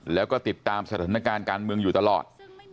แล้วก็ติดตามสถานการณ์การเมืองอยู่ตลอด